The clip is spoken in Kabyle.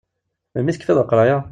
Melmi i tekfiḍ leqraya?